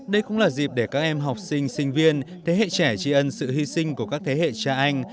đây cũng là dịp để các em học sinh sinh viên thế hệ trẻ tri ân sự hy sinh của các thế hệ cha anh